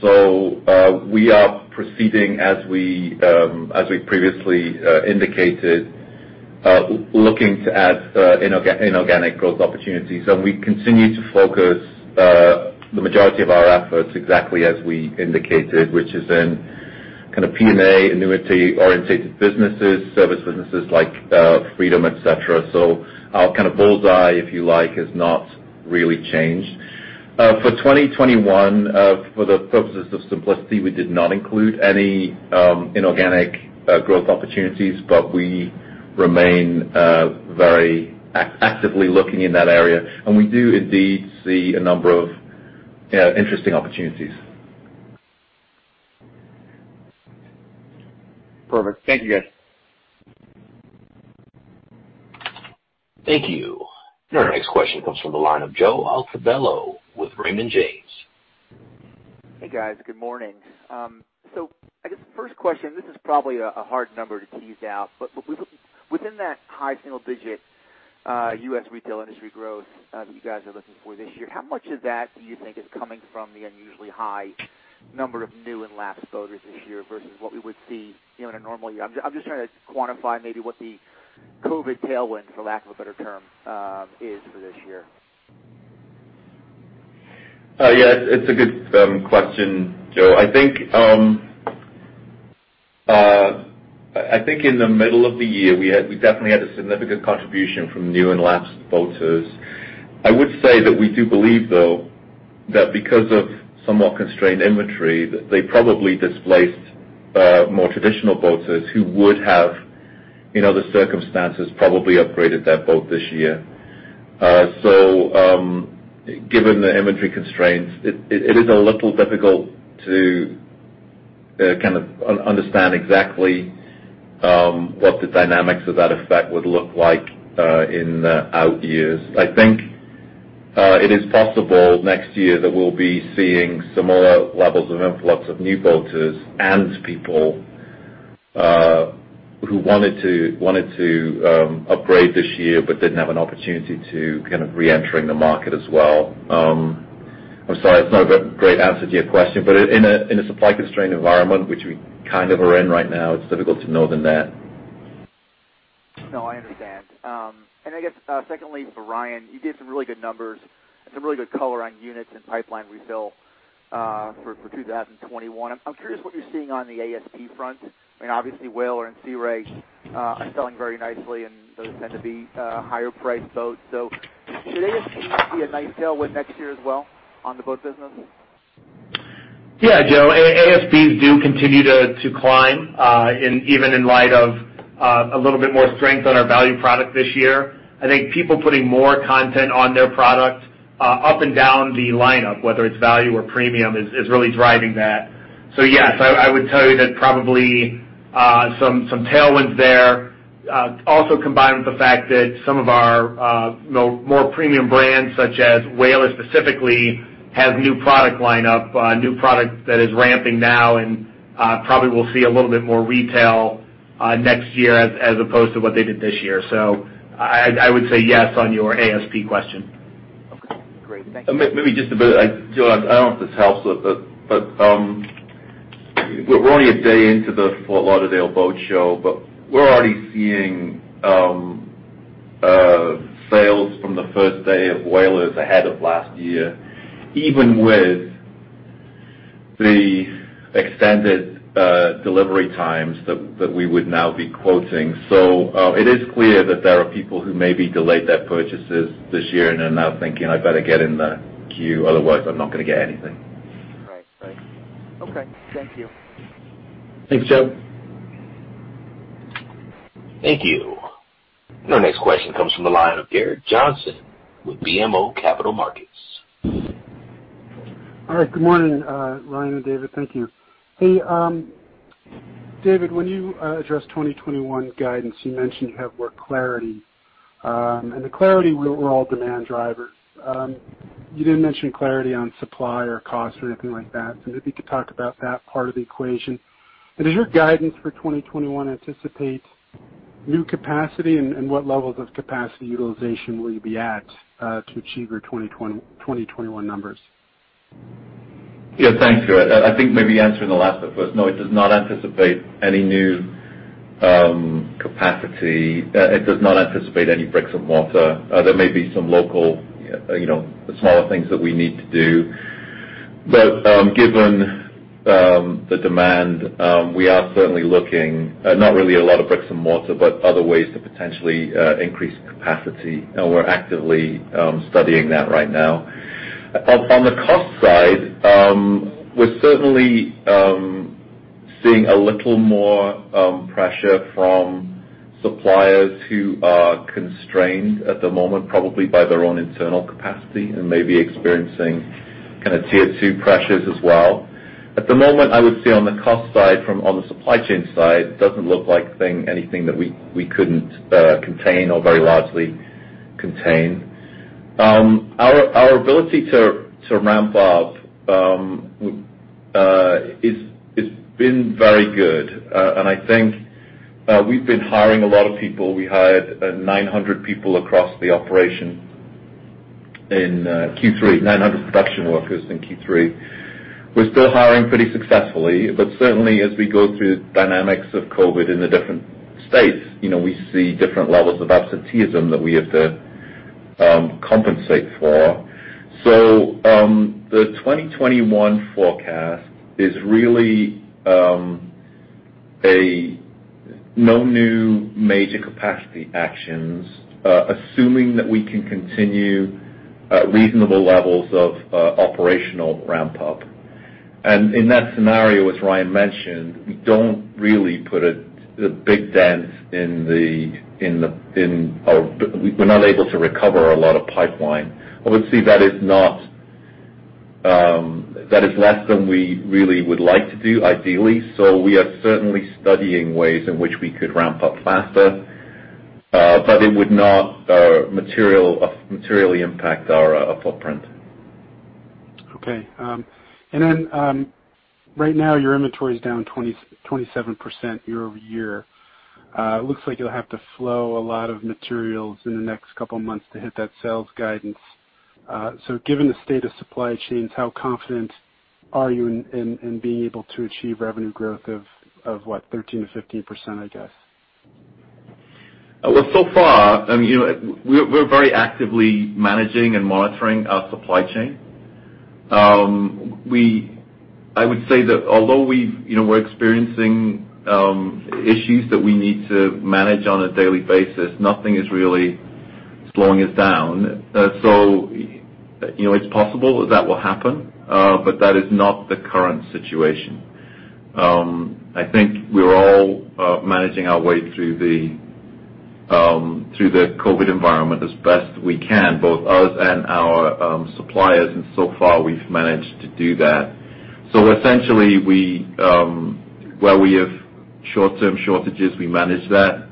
so we are proceeding as we previously indicated, looking to add inorganic growth opportunities. And we continue to focus the majority of our efforts exactly as we indicated, which is in kind of P&A, annuity-oriented businesses, service businesses like Freedom, etc. So our kind of bullseye, if you like, has not really changed. For 2021, for the purposes of simplicity, we did not include any inorganic growth opportunities, but we remain very actively looking in that area. And we do indeed see a number of interesting opportunities. Perfect. Thank you, guys. Thank you. And our next question comes from the line of Joe Altobello with Raymond James. Hey, guys. Good morning. So I guess the first question, this is probably a hard number to tease out, but within that high single-digit U.S. retail industry growth that you guys are looking for this year, how much of that do you think is coming from the unusually high number of new and lapsed boaters this year versus what we would see in a normal year? I'm just trying to quantify maybe what the COVID tailwind, for lack of a better term, is for this year. Yeah, it's a good question, Joe. I think in the middle of the year, we definitely had a significant contribution from new and lapsed boaters. I would say that we do believe, though, that because of somewhat constrained inventory, they probably displaced more traditional boaters who would have, in other circumstances, probably upgraded their boat this year. So given the inventory constraints, it is a little difficult to kind of understand exactly what the dynamics of that effect would look like in out years. I think it is possible next year that we'll be seeing similar levels of influx of new boaters and people who wanted to upgrade this year but didn't have an opportunity to kind of re-enter the market as well. I'm sorry, that's not a great answer to your question, but in a supply-constrained environment, which we kind of are in right now, it's difficult to know the net. No, I understand. And I guess secondly, for Ryan, you gave some really good numbers and some really good color on units and pipeline refill for 2021. I'm curious what you're seeing on the ASP front. I mean, obviously, Whaler and Sea Ray are selling very nicely, and those tend to be higher-priced boats. So should ASP be a nice tailwind next year as well on the boat business? Yeah, Joe. ASPs do continue to climb, even in light of a little bit more strength on our value product this year. I think people putting more content on their product up and down the lineup, whether it's value or premium, is really driving that. So yes, I would tell you that probably some tailwinds there, also combined with the fact that some of our more premium brands, such as Whaler specifically, have new product lineup, new product that is ramping now, and probably we'll see a little bit more retail next year as opposed to what they did this year. So I would say yes on your ASP question. Okay. Great. Thank you. Maybe just a bit, Joe, I don't know if this helps, but we're only a day into the Fort Lauderdale Boat Show, but we're already seeing sales from the first day of Whaler ahead of last year, even with the extended delivery times that we would now be quoting. So it is clear that there are people who maybe delayed their purchases this year and are now thinking, "I better get in the queue. Otherwise, I'm not going to get anything." Right. Right. Okay. Thank you. Thanks, Joe. Thank you. And our next question comes from the line of Gerrick Johnson with BMO Capital Markets. All right. Good morning, Ryan and David. Thank you. Hey, David, when you addressed 2021 guidance, you mentioned you have more clarity. And the clarity was on all demand drivers. You didn't mention clarity on supply or cost or anything like that. So maybe you could talk about that part of the equation. And does your guidance for 2021 anticipate new capacity, and what levels of capacity utilization will you be at to achieve your 2021 numbers? Yeah, thanks, Joe. I think maybe answering the last bit first, no, it does not anticipate any new capacity. It does not anticipate any bricks and mortar. There may be some local smaller things that we need to do. But given the demand, we are certainly looking not really at a lot of bricks and mortar, but other ways to potentially increase capacity. And we're actively studying that right now. On the cost side, we're certainly seeing a little more pressure from suppliers who are constrained at the moment, probably by their own internal capacity and maybe experiencing kind of tier-two pressures as well. At the moment, I would say on the cost side, from on the supply chain side, it doesn't look like anything that we couldn't contain or very largely contain. Our ability to ramp up has been very good. And I think we've been hiring a lot of people. We hired 900 people across the operation in Q3, 900 production workers in Q3. We're still hiring pretty successfully, but certainly as we go through the dynamics of COVID in the different states, we see different levels of absenteeism that we have to compensate for. So the 2021 forecast is really no new major capacity actions, assuming that we can continue reasonable levels of operational ramp-up. And in that scenario, as Ryan mentioned, we don't really put a big dent in our—we're not able to recover a lot of pipeline. Obviously, that is less than we really would like to do, ideally. So we are certainly studying ways in which we could ramp up faster, but it would not materially impact our footprint. Okay. And then right now, your inventory is down 27% year over year. It looks like you'll have to flow a lot of materials in the next couple of months to hit that sales guidance. So given the state of supply chains, how confident are you in being able to achieve revenue growth of, what, 13%-15%, I guess? Well, so far, we're very actively managing and monitoring our supply chain. I would say that although we're experiencing issues that we need to manage on a daily basis, nothing is really slowing us down. So it's possible that will happen, but that is not the current situation. I think we're all managing our way through the COVID environment as best we can, both us and our suppliers. And so far, we've managed to do that. So essentially, where we have short-term shortages, we manage that.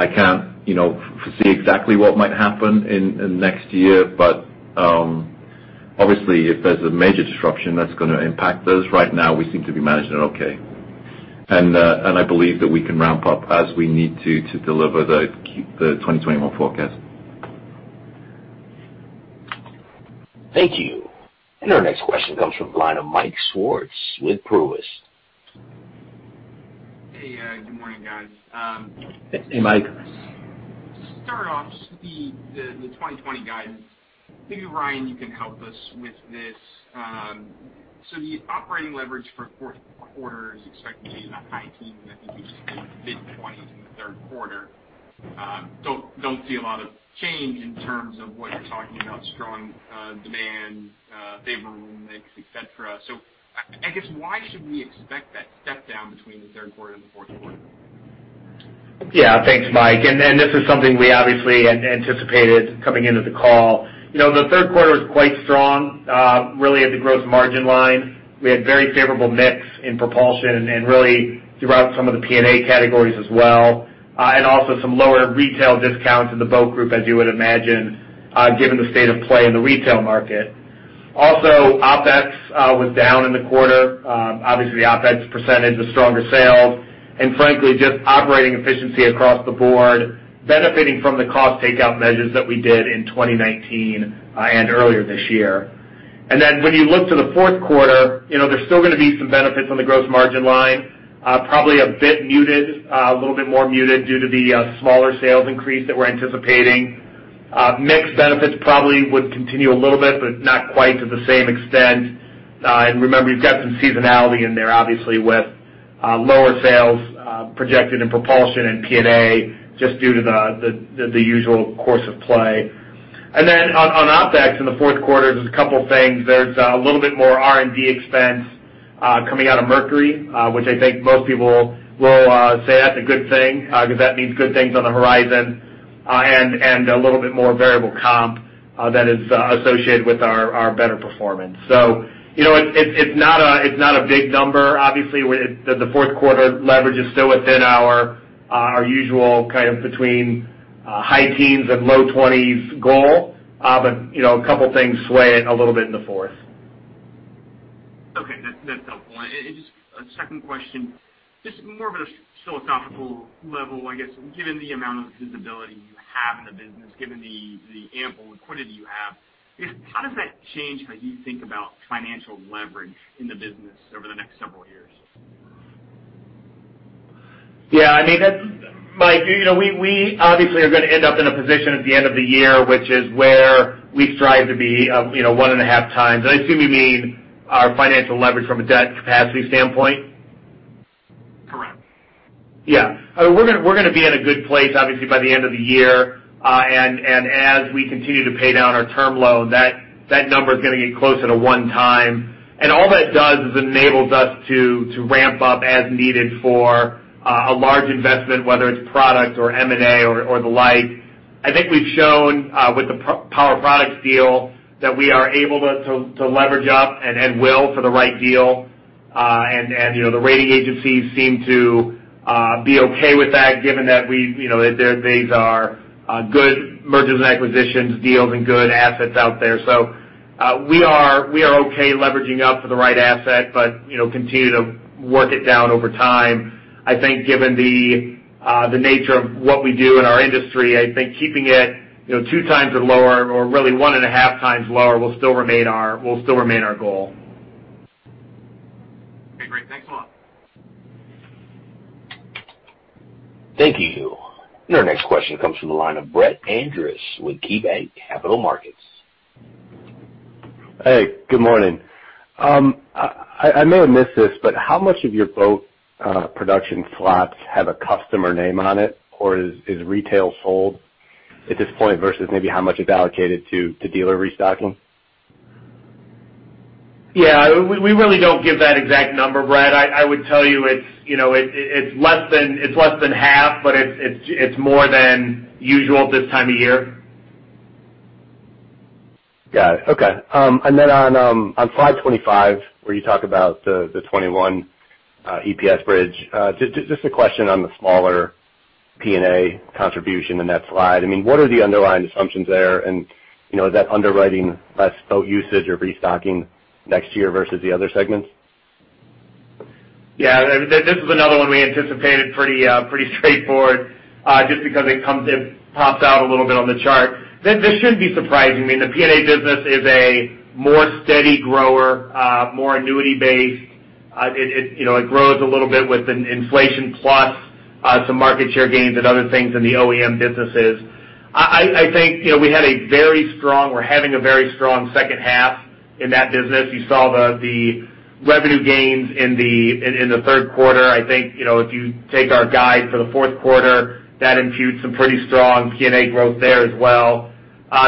I can't foresee exactly what might happen in the next year, but obviously, if there's a major disruption that's going to impact us, right now, we seem to be managing it okay. I believe that we can ramp up as we need to to deliver the 2021 forecast. Thank you. Our next question comes from the line of Mike Swartz with Truist. Hey, good morning, guys. Hey, Mike. To start off, just the 2020 guidance. Maybe Ryan, you can help us with this. So the operating leverage for the fourth quarter is expected to be in that high teens. I think you just hit mid-20s in the third quarter. Don't see a lot of change in terms of what you're talking about: strong demand, favorable mix, etc. So I guess, why should we expect that step down between the third quarter and the fourth quarter? Yeah, thanks, Mike. This is something we obviously anticipated coming into the call. The third quarter was quite strong, really, at the gross margin line. We had very favorable mix in propulsion and really throughout some of the P&A categories as well, and also some lower retail discounts in the boat group, as you would imagine, given the state of play in the retail market. Also, OpEx was down in the quarter. Obviously, the OpEx percentage was stronger sales. And frankly, just operating efficiency across the board, benefiting from the cost takeout measures that we did in 2019 and earlier this year. And then when you look to the fourth quarter, there's still going to be some benefits on the gross margin line, probably a bit muted, a little bit more muted due to the smaller sales increase that we're anticipating. Mixed benefits probably would continue a little bit, but not quite to the same extent. And remember, you've got some seasonality in there, obviously, with lower sales projected in propulsion and P&A just due to the usual course of play. And then on OpEx in the fourth quarter, there's a couple of things. There's a little bit more R&D expense coming out of Mercury, which I think most people will say that's a good thing because that means good things on the horizon and a little bit more variable comp that is associated with our better performance. So it's not a big number, obviously. The fourth quarter leverage is still within our usual kind of between high teens and low 20s goal, but a couple of things sway it a little bit in the fourth. Okay. That's helpful. Just a second question, just more of a philosophical level, I guess, given the amount of visibility you have in the business, given the ample liquidity you have, how does that change how you think about financial leverage in the business over the next several years? Yeah. I mean, Mike, we obviously are going to end up in a position at the end of the year, which is where we strive to be one and a half times. I assume you mean our financial leverage from a debt capacity standpoint? Correct. Yeah. We're going to be in a good place, obviously, by the end of the year. As we continue to pay down our term loan, that number is going to get closer to one time. And all that does is enables us to ramp up as needed for a large investment, whether it's product or M&A or the like. I think we've shown with the Power Products deal that we are able to leverage up and will for the right deal. And the rating agencies seem to be okay with that, given that these are good mergers and acquisitions deals and good assets out there. So we are okay leveraging up for the right asset, but continue to work it down over time. I think given the nature of what we do in our industry, I think keeping it two times or lower, or really one and a half times lower, will still remain our goal. Okay. Great. Thanks a lot. Thank you. And our next question comes from the line of Brett Andress with KeyBanc Capital Markets. Hey, good morning. I may have missed this, but how much of your boat production slots have a customer name on it, or is retail sold at this point versus maybe how much is allocated to dealer restocking? Yeah. We really don't give that exact number, Brett. I would tell you it's less than half, but it's more than usual at this time of year. Got it. Okay. And then on slide 25, where you talk about the 2021 EPS bridge, just a question on the smaller P&A contribution in that slide. I mean, what are the underlying assumptions there? And is that underwriting less boat usage or restocking next year versus the other segments? Yeah. This is another one we anticipated pretty straightforward just because it pops out a little bit on the chart. This shouldn't be surprising. I mean, the P&A business is a more steady grower, more annuity-based. It grows a little bit with inflation plus some market share gains and other things in the OEM businesses. I think we had a very strong. We're having a very strong second half in that business. You saw the revenue gains in the third quarter. I think if you take our guide for the fourth quarter, that implies some pretty strong P&A growth there as well.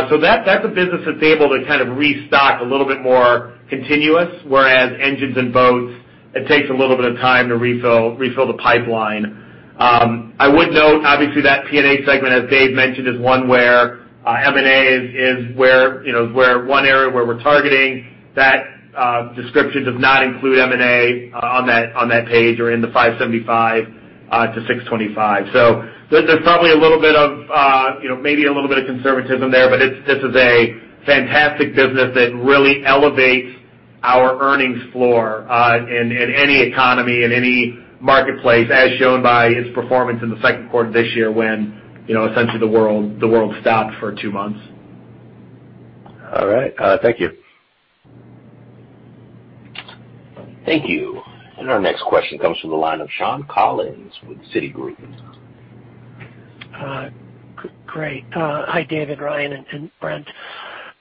So that's a business that's able to kind of restock a little bit more continuous, whereas engines and boats, it takes a little bit of time to refill the pipeline. I would note, obviously, that P&A segment, as Dave mentioned, is one where M&A is one area where we're targeting. That description does not include M&A on that page or in the $575-$625. So there's probably a little bit of, maybe a little bit of conservatism there, but this is a fantastic business that really elevates our earnings floor in any economy, in any marketplace, as shown by its performance in the second quarter this year when essentially the world stopped for two months. All right. Thank you. Thank you. And our next question comes from the line of Shawn Collins with Citigroup. Great. Hi, David, Ryan, and Brent.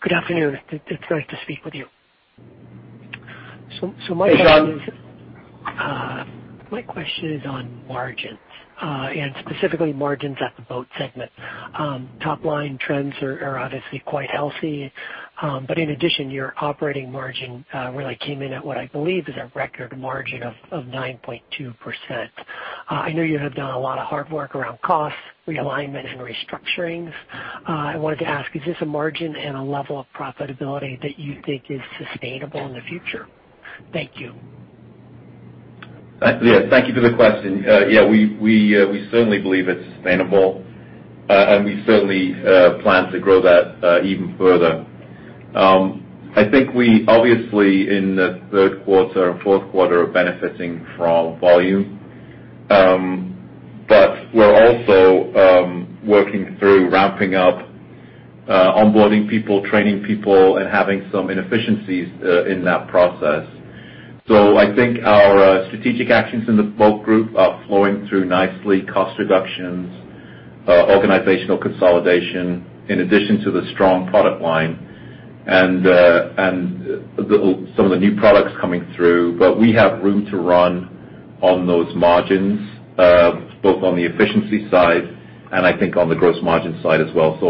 Good afternoon. It's nice to speak with you. So my question is on margins and specifically margins at the boat segment. Top-line trends are obviously quite healthy. But in addition, your operating margin really came in at what I believe is a record margin of 9.2%. I know you have done a lot of hard work around costs, realignment, and restructuring. I wanted to ask, is this a margin and a level of profitability that you think is sustainable in the future? Thank you. Yeah. Thank you for the question. Yeah, we certainly believe it's sustainable, and we certainly plan to grow that even further. I think we obviously, in the third quarter and fourth quarter, are benefiting from volume, but we're also working through ramping up onboarding people, training people, and having some inefficiencies in that process. So I think our strategic actions in the boat group are flowing through nicely: cost reductions, organizational consolidation, in addition to the strong product line and some of the new products coming through. But we have room to run on those margins, both on the efficiency side and I think on the gross margin side as well. So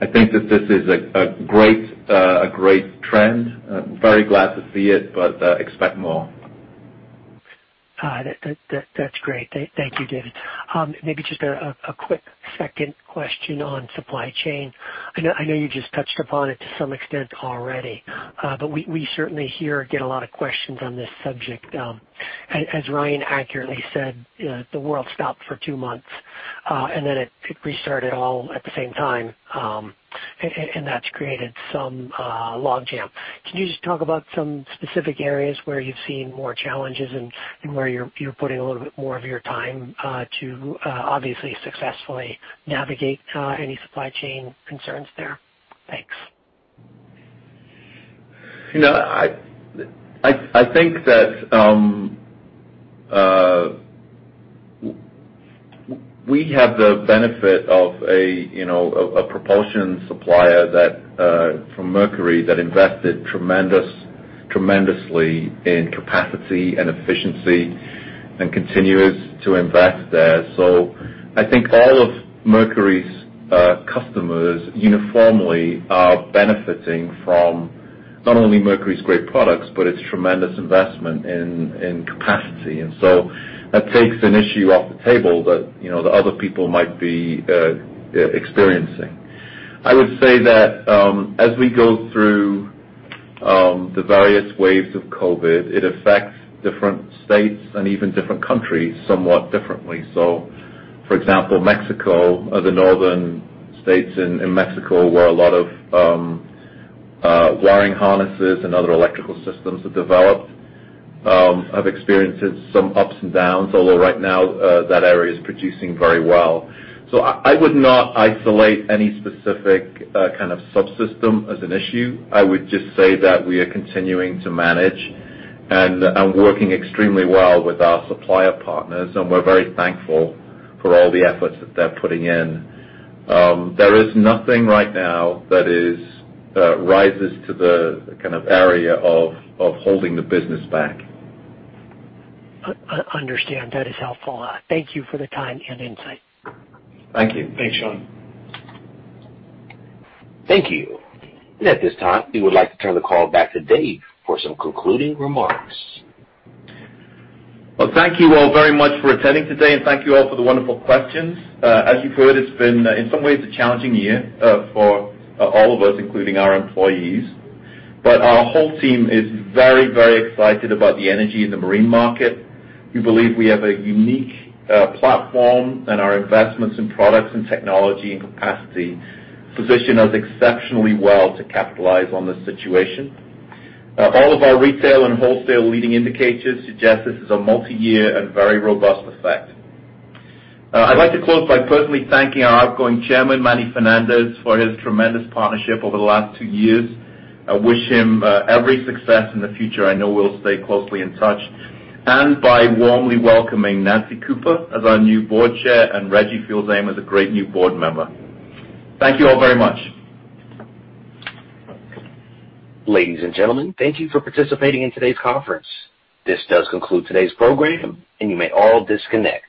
I think that this is a great trend. Very glad to see it, but expect more. That's great. Thank you, David. Maybe just a quick second question on supply chain. I know you just touched upon it to some extent already, but we certainly hear a lot of questions on this subject. As Ryan accurately said, the world stopped for two months, and then it restarted all at the same time, and that's created some logjam. Can you just talk about some specific areas where you've seen more challenges and where you're putting a little bit more of your time to obviously successfully navigate any supply chain concerns there? Thanks. I think that we have the benefit of a propulsion supplier from Mercury that invested tremendously in capacity and efficiency and continues to invest there. So I think all of Mercury's customers uniformly are benefiting from not only Mercury's great products, but its tremendous investment in capacity. And so that takes an issue off the table that other people might be experiencing. I would say that as we go through the various waves of COVID, it affects different states and even different countries somewhat differently. So for example, Mexico, the northern states in Mexico where a lot of wiring harnesses and other electrical systems are developed, have experienced some ups and downs, although right now that area is producing very well. So I would not isolate any specific kind of subsystem as an issue. I would just say that we are continuing to manage and working extremely well with our supplier partners, and we're very thankful for all the efforts that they're putting in. There is nothing right now that rises to the kind of area of holding the business back. I understand. That is helpful. Thank you for the time and insight. Thank you. Thanks, Shawn. Thank you. And at this time, we would like to turn the call back to Dave for some concluding remarks. Well, thank you all very much for attending today, and thank you all for the wonderful questions. As you've heard, it's been in some ways a challenging year for all of us, including our employees. But our whole team is very, very excited about the energy in the marine market. We believe we have a unique platform, and our investments in products and technology and capacity position us exceptionally well to capitalize on this situation. All of our retail and wholesale leading indicators suggest this is a multi-year and very robust effect. I'd like to close by personally thanking our outgoing Chairman, Manny Fernandez, for his tremendous partnership over the last two years. I wish him every success in the future. I know we'll stay closely in touch. By warmly welcoming Nancy Cooper as our new Board Chair and Reggie Fils-Aimé as a great new board member. Thank you all very much. Ladies and gentlemen, thank you for participating in today's conference. This does conclude today's program, and you may all disconnect.